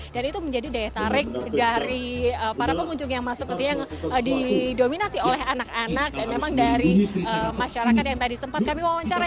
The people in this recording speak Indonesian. dan itu menjadi daya tarik dari para pengunjung yang masuk ke sini yang didominasi oleh anak anak dan memang dari masyarakat yang tadi sempat kami wawancara